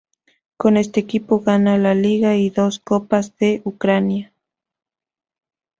Con este equipo gana una Liga y dos Copas de Ucrania.